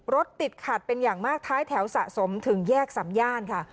รถติดขัดเป็นอย่างมากท้ายแถวสะสมถึงแยกสำย่านค่ะ